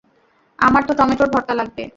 আমার তো টমেটোর ভর্তা লাগবে।